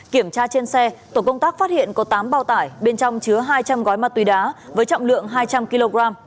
kiểm tra trên xe tổ công tác phát hiện có tám bao tải bên trong chứa hai trăm linh gói ma túy đá với trọng lượng hai trăm linh kg